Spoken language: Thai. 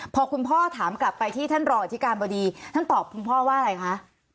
พอคุณพ่อถามกลับไปที่ท่านรองอธิการบดีท่านตอบคุณพ่อว่าอะไรคะ